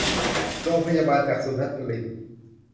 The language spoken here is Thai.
โรงพยาบาลจักษุรัตนิน